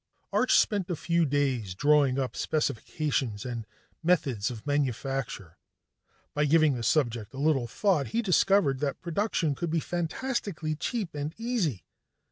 Arch spent a few days drawing up specifications and methods of manufacture. By giving the subject a little thought, he discovered that production could be fantastically cheap and easy.